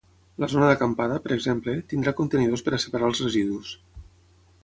La zona d’acampada, per exemple, tindrà contenidors per a separar els residus.